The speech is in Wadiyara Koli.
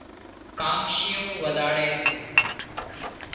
ڪانشيئون وزاڙي سي